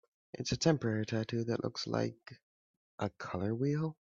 It's a temporary tattoo that looks like... a color wheel?